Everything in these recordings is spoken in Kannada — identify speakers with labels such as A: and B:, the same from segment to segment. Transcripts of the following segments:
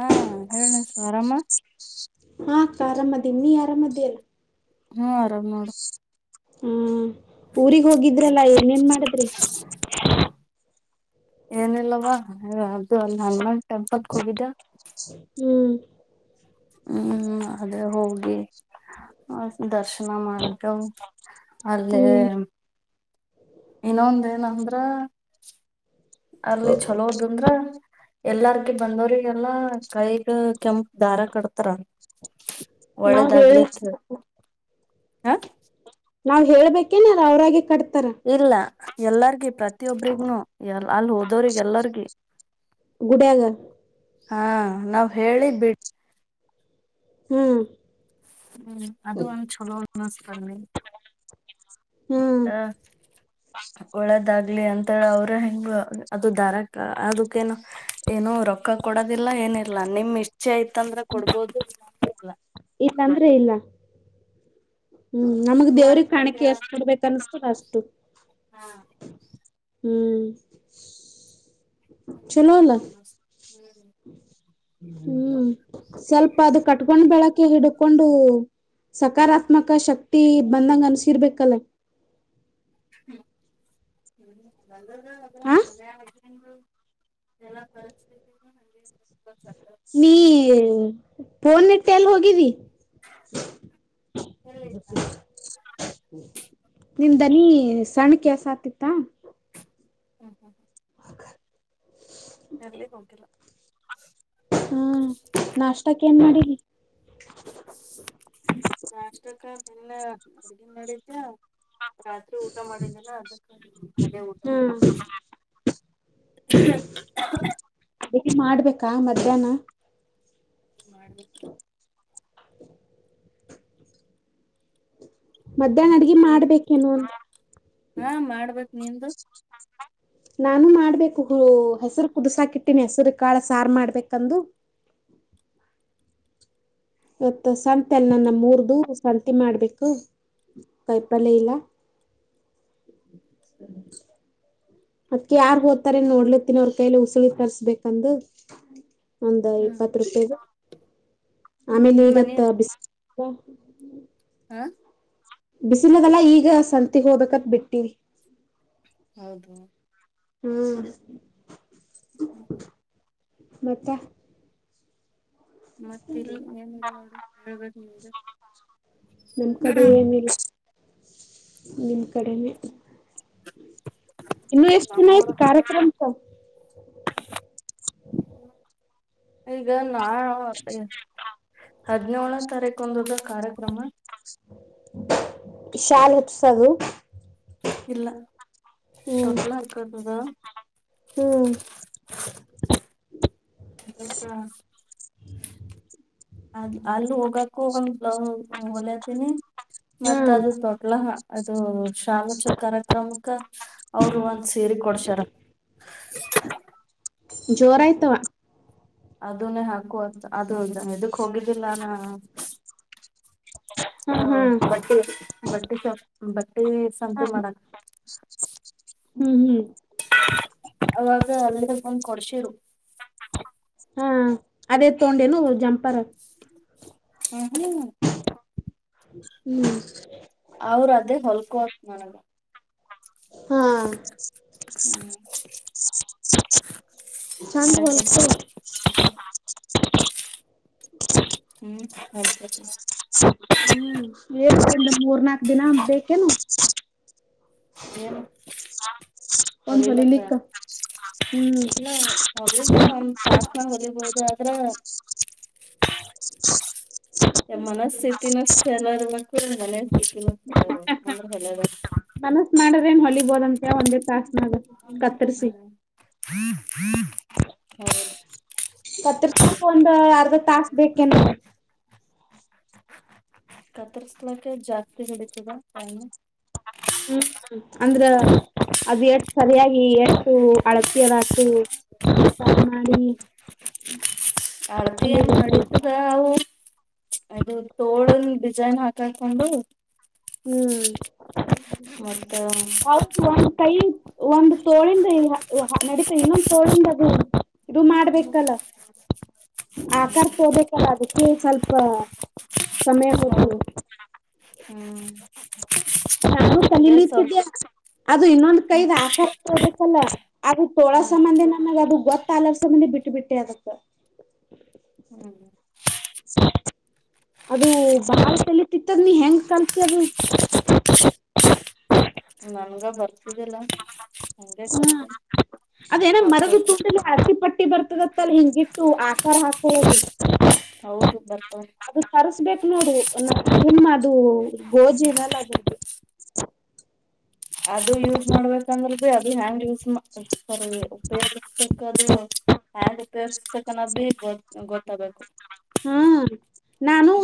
A: ಹಾ ಹೇಳನಸ ಆರಾಮ.
B: ಹಾಕ ಆರಾಮದಿ ನೀ ಆರಾಮದಿ ಅಲ್ಲ.
A: ಹ್ಮ್ ಆರಾಮ್ ನೋ.
B: ಹ್ಮ್. ಊರಿಗ್ ಹೋಗಿದ್ರಲ್ಲ ಏನೇನ್ ಮಾಡಿದ್ರಿ
A: ಏನಿಲ್ಲವಾ ಅದು ಅಲ್ಲಿ ಹನುಮಾನ್ ಟೆಂಪಲ್ಕ್ ಹೋಗಿದ್ದ.
B: ಹ್ಮ್.
A: ಹ್ಮ್ ಅದೇ ಹೋಗಿ ದರ್ಶನ ಮಾಡುದವು. ಅದೇ.
B: ಹ್ಮ್
A: ಇನ್ನೊಂದ ನಂದ್ರ. ಅರ್ಲಿ ಚಲೋ ಹದ್ದ ಅಂದ್ರ. ಎಲ್ಲಾರ್ಕ ಬಂದವ್ರ ಎಲ್ಲಾ ಕೈಗ ಕೆಂಪ ದಾರ ಕಟ್ತಾರ.
B: ನಾವ್ ಹೇಳಿದ.
A: ಹ.
B: ನಾವ್ ಹೇಳ್ಬೇಕೇನೆ ಅವ್ರಾಗಿ ಕಟ್ತ.
A: ಇಲ್ಲ. ಎಲ್ಲಾರ್ಗ ಪ್ರತಿಯೊಬರಿಗನು. ಎ ಅಲ್ಲಿ ಹೋದವ್ರಿಗೆ ಎಲ್ಲರ್ಗ.
B: ಗುಡಾಗ
A: ಹಾ ನಾವ್ ಹೇಳಿ ಬಿಡ್.
B: ಹ್ಮ್.
A: ಹ್ಮ್ ಅದು ಒಂದ್ ಚಛಲೋ. ಸನ್ನೆ.
B: ಹ್ಮ್
A: ಮತ್ತ ಒಳ್ಳದಾಗ್ಲಿ ಅಂತೇಳ ಅವ್ರ ಹ ಅದು ದರಕ್ಕ ಅದಕ್ಕೇನು ಏನುೋ ರೊಕ್ಕ ಕೊಡೋದಿಲ್ಲ ಏನಿಲ್ಲ ನಿಮ್ ಇಚ್ೆ ಆಯತ ತಂದ್ರ ಕೊಡ್ಬೋದು. ಇಲ್ಲ.
B: ಈ ತಂದ್ರೆ ಇಲ್ಲ. ಹ್ಮ್
A: ಅವ್ರು
B: ನಮಗ್ ದೇವ್ರ
A: ಕೊಡುವಂತದ್ದೇ
B: ಕಾಣಿಕಿ
A: ಹೇಳಲ್ಲ
B: ಎಷ್ಟು ಕೊಡ್ಬೇಕ ಅನ್ಸ್್ತದ ಅಷ್ಟು.
A: ಹಾ
B: ಹ್ಮ್. ಚಲೋಲ್ಲ.
A: ಚಲೋ ಮಸ್ತ್
B: ಹ. ಹ್ಮ್ ಸ್ವಲ್ಪ ಅದು ಕಟ್ಕೊಂಡ್ ಬೆಳಕೆ ಹಿಡ್ಕೊಂಡು ಸಕಾರಾತ್ಮಕ ಶಕ್ತಿ ಬಂದಂಗ ಅನ್ಸಿರ್ಬೇಕಲ್ಲ.
A: ಹ್ಮ್ ಹ್ಮ. ನಲ್ಲದು ಅದ
B: ಆ
A: ಮ. ಎಲ್ಲ ಪರಿಸ್ಥಿತಿ ನಗೆ.
B: ನೀ ಪೋನ್ಟ್ಟ ಎಲ್ ಹೋಗಿದಿ.
A: ಎಲ್ಲಿಲ್ಲ
B: ಹ್ಮ್ಮ್. ನಿಮ್್ದನಿ ಸಣ್ಣ ಕೆಸ ಆತಿತ್ತಾ.
A: ಹ್ಮ ಹ್ಮ ಹ. ಎಲ್ಲಿ ಹೋಗಿಲ್ಲ
B: ನಾಷ್ಟಕ್ ಏನ್ ಮಾಡಿರಿ
A: ನಾಷ್ಟಕ್ಕ ಎಲ್ಲ. ಅಡ್ಗನ್ ನಡತ. ರಾತ್ರಿ ಊಟ ಮಾಡಿದ್ದೇನ ಅದಕ್ಕ ಅದೇ ಊಟ ಮಾಡಿದ್ದ.
B: ಅಡಿಗೆ ಮಾಡ್ಬೇಕಾ ಮಧ್ಯಾಹ್ನ
A: ಮಾಡ್ಬೇಕ.
B: ಹ್ಮ್ಮ್. ಮಧ್ಯಾಹ್ನ ಅಡ್ಗ
A: ನಿಮ್ದು
B: ಮಾಡ್ಬೇಕೇನು ಅಂದ.
A: ಹಾ ಮಾಡ್ಬೇಕ್ ನಿಂದು.
B: ನಾನು ಮಾಡ್ಬೇಕು ಹ ಹೆಸರು ಕುದಸಾಕ ಇಟ್ಟೀನಿ ಹೆಸರು ಕಾಳ ಸಾರು ಮಾಡ್ಬೇಕಂದು. ಇವತ್ತು ಸಂತೆ ಅಲ್ಲ ನನ್ನಮ್ಮ ಮೂರ್ದು ಸಂತಿ ಮಾಡ್ಬೇಕು ಕಾಯಪಲ್ಯ ಇಲ್ಲ. ಅದ್ಕ ಯಾರ್ ಹೋಗ್ತಾರನ್ ನೋಡ್ಲತ್ತನಿ ಅವ್ರ ಕೈಯಲಿ ಉಸುಳಿದ ಕರ್ಸ್ಬೇಕಂದು. ಒಂದ್
A: ಹ್ಮ್
B: ಇಪ್ಪತ್ ರೂಪಾಯಗ ಆಮೇಲೆ
A: ನಿಮ್ ಮನಿ
B: ಈಗತ್ತ ಬಿಸ. ಹಾ.
A: ಹಾ.
B: ಬಿಸಿನದಲ್ಲಾ ಈಗ ಸಂತಗ್ ಹೋಗಬೇಕತ್ ಬಿಟ್ಟಿರಿ
A: ಹೌದು
B: ಹ್ಮ್ ಮತ್ತೆ
A: ಮತ್ತ ಇಲ್ ಏನಲ್ಲ ನೋಡು ಹೇಳ್ಬೇಕದು ನಿಮ್ದು
B: ನಮ್ ಕಡೆ ಏನಿಲ್ಲ ನಿಮ್ ಕಡೆನೇ ಇನ್ನು ಎಷ್ಟು ದಿನ ಕಾರ್ಯಕ್ರಮಸ ಹ [unintelligible]
A: ಹ [unintelligible] ಈಗ ನಾ ಹದಿನೇಳೇಳನೇ ತಾರೀಕು ಒಂದುದ ಕಾರ್ಯಕ್ರಮ
B: ಶಾಲ್ ಉತ್ಸಹು
A: ಇಲ್ಲ ತೊಟ್ಲ ಹಾಕತದ
B: ಹ್ಮ್
A: ಅ ಅಲ್ಲಿ ಹೋಗಕು ಒಂದ್ ಹ ಭಲ ಅಸಿನಿ [unintelligible]
B: ಹಾ
A: ಮತ್ತ ಅದು ತೊಟ್ಲ ಅದು ಶಾಮಚ ಕಾರ್ಯಕ್ರಮಕ್ಕ ಅವರು ಒಂದ್ ಸೇರಿ ಕೊಡ್ಸಾರ [unintelligible]
B: ಜೋರಾಯ್ತವಾ
A: ಅದನೇ ಹಾಕುವ ಅದು ಇದಕ್ ಹೋಗಿದ್ದಿಲ್ಲ ನ
B: ಹಾ
A: ಹ
B: ಹಾ
A: ಬಟ್ಟ ಬಡಡಿ ಚಾಪ್ ಬ ಸಂತೆ ಮಾಡಕ್ [inaudible]
B: ಹ್ಮ್ ಹ್ಮ್
A: ಅವಾಗ ಅಲ್ಲಿ ಬಂದ್ ಕೊಡ್ಸರು
B: ಹಾ ಅದೇ ತಗೊಂಡೇನು ಜಂಪರ್
A: ಹ ಹೇಳ [unintelligible]
B: ಹ್ಮ್
A: ಅವ್ರ ಅದೇ ಹೊಲ್ಕೋತ ನನಗ
B: ಹಾ
A: ಹ್ಮ್ [unintelligible]
B: ಚಂತ
A: ಆಯ್ತಂತಂದೆ
B: ಬತ [unintelligible] [unintelligible]
A: ಹ್ಮ್ ಹೌತ [unintelligible]
B: ಹ್ಮ್ ಹೇಳ್ಕೊಂಡ ಮೂರು ನಾಕು ದಿನಾ ಬೇಕೇನು [inaudible]
A: ಏನು
B: ಒಂದ್
A: ಹೊಲಿಲತ್ತ
B: ಹೊಲಿಲಿಕ್ಕ ಹ್ಮ್
A: ಇಲ್ಲ ಹೊಲಿದ್ರು ಒಂದ್ ತಾಸನ್ಯಾಗ ಹೊಲಿಬಹುದು ಆದ್ರ
B: [inaudible]
A: ಏ ಮನಸ್ಥಿತಿನೂ ಸರಿಯಾಗಿರ್ಬೇಕು ಮನೇಲ್ ಸ್ಥಿತಿನೂ ಸರಿಯಾಗಿರ್ಬೇಕು ಅಂದ್ರ ಹೊಲಿಯೋದ
B: ಪ್ರೇನ್ ಹೊಲಿಬೋದಂತೆ ಒಂದ್ ತಾಸ್
A: [inaudible] ಹೌದ
B: ಕತ್ರಿಸಾಕ್ ಒಂದ ಅರ್ಧ ತಾಸ ಬೇಕೇನ
A: ಕತ್ತರ್ಸ್ಲಕ್ಕೆ ಜಾಕ್ತಿ ಹಿಡಿ
B: ಹ್ಮ ಅಂದ್ರೆ ಅದು ಎಷ್ಟು ಸರಿಯಾಗಿ ಎಷ್ಟು ಅಳತಿಯದಾಟು ಮಾಡಿ
A: ಅಳತಿ ಏನ್ ನಡೀತದ
B: [unintelligible]
A: ಅವು ಅದು ತೋಳನ್ ಡಿಸೈನ್ ಹಾಕಾಕೊಂಡು
B: ಹ್ಮ್
A: ಮತ್ತ
B: ಹೌದು ಒಂದ್ ಕೈ ಒಂದು ತೋಳಿಂದ ನಡೀತ ಇನ್ನೊಂದ ತೋಳಿಂದ ಅದು ಇದು ಮಾಡ್ಬೇಕಲ್ಲ ಆಕಾರಾರ್ ತೋಬೇಕಲ್ಲ ಅದಕ್ಕೆ ಸ್ವಲ್ಪ ಸಮಯ ಬೇಕು
A: ಹೌದು ಹ್ಮ್
B: ನಾವು
A: ಅದೇ ಸ್ವಲ್ಪ
B: ಕಲಲಿತಿದ್ಯಾ ಅದು ಇನ್ನೊಂದ
A: ಹ್ಮ್
B: ಕೈದ್ ಆಕ ಲ್ಲ ಆದ್ರ
A: ಹ್ಮ್
B: ತೋಳಸಬಂಧಿ ನಮಗ ಅಬ್ ಗೊತ್ತಲರ್ ಸಂಬಂಧಿ ಬಿಟ್ಟು ಬಿಟ್ಟೆ ಅದಕ್ಕ
A: ಹ್ಮ್
B: ಅದು ಬಾಳ ತಳ್ಳಿ ಕಲತಿ ಇತ್ತದ್ ನೀ ಹೆಂಗ್ ಕಲ್ತ ಅದು
A: ನನಗೆ
B: ಹ್ಮ
A: ತಪ್ಪೇನ್
B: ಅದೇನ
A: ಹಾಕೋ
B: ಮರದ ತುಂಬಿಗೆ ಹಸಿ ಪಟ್ಟಿ ಬರ್ತದತ್ತಲ್ ಹಿಂಗಿಟ್ಟು ಆಕಾರ ಹಾಕೋ
A: ಹೌದು ಬರ್ತಾವ
B: ಅದು ಕರ್ಸ್ಬೇಕಕ್ ನೋಡು ತುಮ್ಮ ಅದು ಗೋಜಿನನಲ್ಲು
A: ಅದು ಯೂಸ್ ಮಾಡ್ಬೇಕಂದ್ರೀ ಅದು ಹೆಂಗೆ ಯೂಸ್ [unintelligible] ಪಕ್ಕದು ಹಾಗ ಉಪಯೋಗಿಸ್ಬೇಕ ನ್ ಬೇ ಗ ಗೊತ್ತಬೇಕು
B: ಹ್ಮ ನಾನು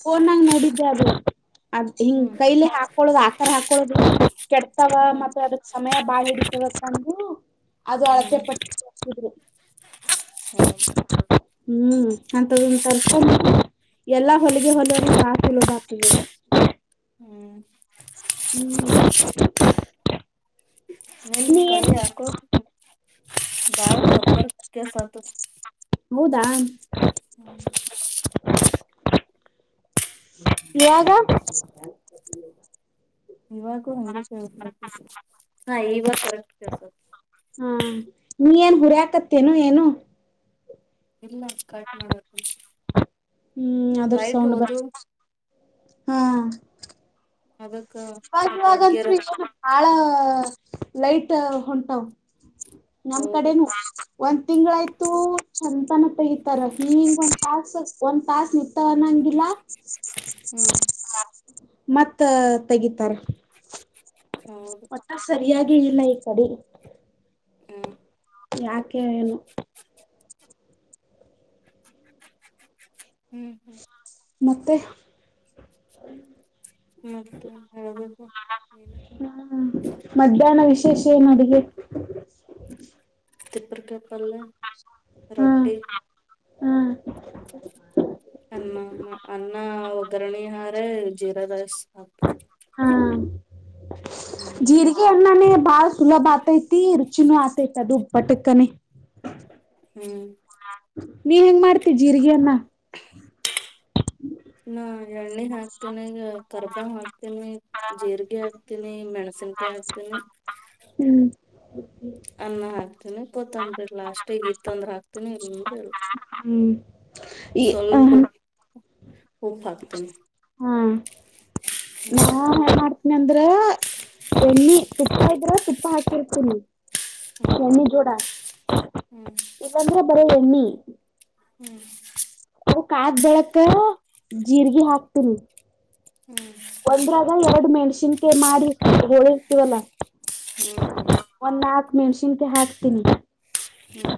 B: ಫೋನ್ಗ ನೋಡಿದ್ದೆ ಅದು ಅದ್ ಹಿಂಗ್
A: ಹ್ಮ್
B: ಕೈಲಿ ಹಾಕೊಳದು ಆಕಾರ ಹಾಕೊಳದು ಕೆಟ್ಟತವ
A: ಹ್ಮ್
B: ಮತ್ತ ಅದಕ್ ಸಮಯ ಬಾಳ್ ಹಿಡಿತದಕಂಡು ಅದು ಅಳತೆ
A: ಹ್ಮ್
B: ಪಟ್ಟಿ ತೋಸಿದ್ರು
A: ಹೌದು
B: ಹ್ಮ್ ಅಂತದ ಎಲ್ಲಾ ಹೊಲಗೆ ಹೊಲ ಸಾಕ [unintelligible] [unintelligible]
A: ಹ್ಮ್
B: ಹ್ಮ್
A: ನಿನ
B: ನೀ
A: ಕಡೆ
B: ಏನ್
A: ಯಾಕೋ ಬಾಳ ಕೊರ್ಕ್ ಕೊರ್ಕ್ ಕೆಳಸಾತೈತಿ.
B: ಹೌದಾ [unintelligible]
A: ಇವಾಗೂ ಹಗೆ ಕೇಳ್. [unintelligible]
B: ಹಾ. ನೀ ಏನ್ ಹುರಿಯಾಕತ್ತೇನು ಏನು.
A: ಇಲ್ಲ ಕಟ್ ಮಾಡ.
B: ಹ್ಮ್ ಅದ್ರ ಸೌಂಡ್ ಬ ಹಾ
A: ಅದು.
B: ಇಾಗ ಇವಾಗತ್ೂ ಬಾಳ. ಲೈಟ್ ಹೊಂಟಾವ್ ನಮ್
A: ಹೌದು
B: ಕಡೆನುೂ ಒಂದ್ ತಿಂಗಗಳಾಯ್ತು ಚಂದಂತನ ತೆಗಿತಾರ ಹೀಂಗ ಒಂದ್ ತಾಸ್ ಒಂದ್ ತಾಸ್ ನಿಂತನ್ನಂಗಿಲ್ಲ.
A: ಹ್ಮ್.
B: ಮತ್ತ ತೆಗೀಿತಾರೆ
A: ಹ.
B: ಪಾಸ್ ಸ ಸರಿಯಾಗಿೆ ಇಲ್ಲ ಈ ಕಡೆ,
A: ಹ್ಮ್.
B: ಯಾಕೆ ಏನು.
A: ಹ್ಮ್ ಹ್ಮ್.
B: ಮತ್ತೆ.
A: ಮತ್ತೆ ಹಬೇಕ.
B: ಹ್ಮ ಮಧ್ಯಾಹ್ನ ವಿಶೇಷ ಏನು ಅಡಿಗೆ?
A: ತಿಪ್ಪರ್ಕಪಲ್ಲ
B: ಹಾ
A: ರೊಟ್ಟಿ.
B: ಹಾ.
A: ಅನ್ನ ಅನ್ನ ಒಗರಣಿಹಾರ ಜೀರಾಸ್.
B: ಹಾ.
A: ಹ್ಮ್
B: ಜೀರಿಗೆಕೆ ಅ್ಣನ ಬಳ. ಸುಲಭ ಆತೈತಿ ರುಚಿನೂ ಆತೈತಿದು ಬಟಕ್ಕನೆ.
A: ಹ್ಮ್
B: ನೀ ಹೆಂಗ ಮಾಡ್ತೀ ಜೀರಿಗೆಯನ್ನ
A: ನಾ ಎಣ್ಣೆ ಹಾಕ್ತೇನ ಈಗ ಕರ್ಬ್ ಹಾಕ್ತಿ. ಹತನಿ ಜೀರಿಗೆ ಹಾಕ್ತೀನಿ ಮೆಣಸಿನ್ಕಾಯಿ ಹಾಕ್ತನಿ.
B: ಹ್ಮ.
A: ಅನ್ನ ಹಾಕ್ತೀನಿ ಕೊತ್ತಂಬರಿ ಅಷ್ಟೇ ಇತ್ ತೊಂದ್ರ ಹಾಕ್ತೀನಿ ಇಲ್ಲಾಂದ್ರ ಇಲ್ಲ
B: ಹ್ಮ್ ಈ
A: ಸ್ವಲ್ಪ ಉಪ್ಪು ಹಾಕ್ತೀನಿ
B: ಹಾ ನಾ ಮಾಡ್ತ [inaudible] ಇ ನಂದ್ರ ಎಣ್ಣೆ ತುಪ್ಪ ಇದ್ರ ತುಪ್ಪ ಹಾಕಿರ್ತೀನಿ
A: ಹ್ಮ್
B: ಎಣಿ ಜೋಡಾ
A: ಹ್ಮ್
B: ಇಲ್ಲಾಂದ್ರ ಬರೀ ಎಣ್ಣೆ [inaudible]
A: ಹ್ಮ್ [inaudible]
B: ಅವ ಕಾದ್ ಬೆಳಕ ಜೀರ್ಗಿ ಹಾಕ್ತೀನಿ
A: ಹ್ಮ್ [inaudible]
B: ಒಂದ್ರಾಗ ಎರಡು ಮೆಣಸಿನ್ಕೆ ಮಾಡಿ ಹೊೋಳಿ ಇರ್ತಿವಲ್ಲ
A: ಹ್ಮ್ ಹ್ಮ್
B: ಮೆಣಸಿನಕಾಯಿ ಹಾಕ್ತೀನಿ
A: ಹ್ಮ್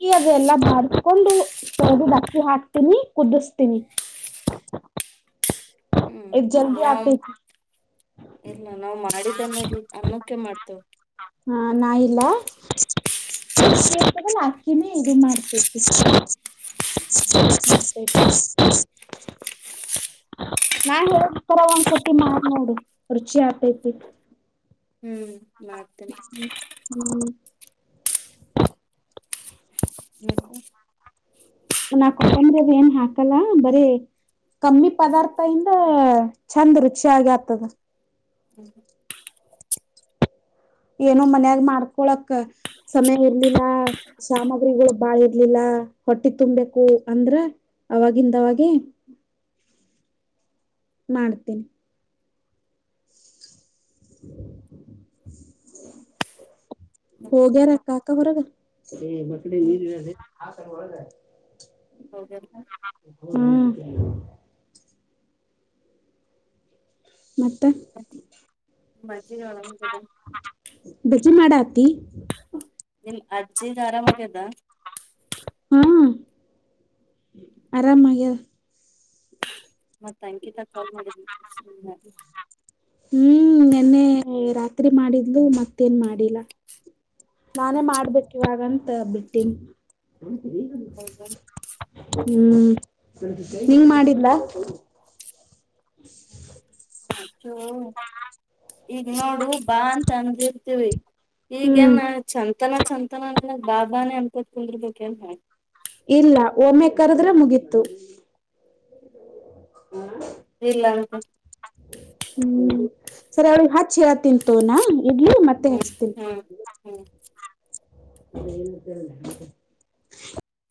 B: ಅಕ್ಕಿ ಅದೆಲ್ಲಾ ಬಾಡ್ಕೊಂಡು ತಗದು ಅಕ್ಕಿ ಹಾಕ್ತೀನಿ ಕುದಿಸ್ತೀನಿ
A: ಹ್ಮ್
B: ಜಲ್ದಿ
A: ನಾವ್
B: ಆಗತೈತಿ
A: ಇಲ್ಲ ನಾವು ಮಾಡಿದ ಮೇಾಗ ಅನ್ನಕ್ಕೆ ಮಾಡ್ತೇವ
B: ಹಾ ನಾ ಇಲ್ಲ ಅಕ್ಕಿ ಇರ್ತದಲ ಅಕ್ಕಿನೇ ಇದು ಮಾಡ್ತೀವಿ ನಾ ಏಳು ತರ ಒಂದ್ ಸತಿ ಮಾಡ ನೋಡು ರುಚಿ ಆಗತೈತಿ
A: ಹ್ಮ್ ಮಾಡ್ತೇನಿ
B: [inaudible]
A: [inaudible]
B: ನಾ ಕೊತ್ತಂಬರಿ ಅದ ಏನ್ ಹಾಕಲ್ಲ ಬರೀ ಕಮ್ಮಿ ಪದಾರ್ಥ ಇಿಂದ ಚಂದ ರುಚಿ ಆಾಗಿ ಆತದ
A: [inaudible]
B: ಏನೋ ಮನ್ಯಾಗ ಮಾಡ್ಕೊಳಕ್ ಸಮಯ ಇರ್ಲಿಲ್ಲ ಸಾಮಗ್ರಿಗಳು ಬಾಳ್ ಇರ್ಲಿಲ್ಲ ಹೊಟ್ಟಿ ತುಂಬಬೇಕು ಅಂದ್ರ ಅವಾಗಿಂದ ಅವಾಗೆ ಮಾಡ್ತೀನಿ ಹೋಗ್ಯಾರ ಕಾಕ ವರಗ ಏ ಮಕ್ಕಡೆ ನೀರ್ ಇರ [inaudible] ಹಾ ಸರ್ ಒಳಗ
A: ಹೌದು ಏನ
B: [inaudible]
A: ನಿಮ್ ಅಜ್ಜಿಗೆ ಆರಾಮಾಗ್ಯದ
B: [inaudible] ಟಿ
A: ನಿಮ್ ಅಜ್ಜಿದ ಆರಾಮ್ ಆಗ್ಯದ
B: ಹಾ ಆರಾಮ್ ಆಗ್ಯಾದ
A: ಮತ್ತ್ ಅಂಕಿತ
B: ಹ್ಮ್ ನಿನ್ನೆ ರಾತ್ ರಾತ್ರಿ ಮಾಡಿದ್ಲು ಮತ್ತೆ ಮಾಡಿಲ್ಲ ನಾನೇ ಮಾಡ್ಬೇಕಕ್ ಇವಾಗಂತ ಬಿಟ್ಟಿ
A: ಹೌದ
B: ಹ್ಮ್ ನಿಂಗ ಮಾಡಿದ್ದಾ [unintelligible]
A: ಹ ಈಗ ನೋಡು ಬಾಂದ ತಂದ ಇರ್ತೀವಿ
B: ಹ್ಮ್
A: ಈಗೇನ್ ಚಂದ ತನ ಸಂತನಲ್ಲ ಬಾಬಾನೇ ಅನ್ಕೋತ್ ಕುಂದಿರ್ಬೇಕೇ ಅಂತ ಮಾಡಿ
B: ಇಲ್ಲ ಒಮ್ಮೆ ಕರದ್ರೆ ಮುಗಿತು
A: ಇಲ್ಲ
B: ಹ್ಮ್ ಸರಿ ಅವಳಿಗೆ ಹಚ್ಚ್ [unintelligible] ಇಡ್ಲಿ ಮತ್ತೆ
A: ಹ್ಮ್
B: ಹಚ್ತಿನಿ
A: ಹ್ಮ್ ಹ್ಮ್
B: [unintelligible]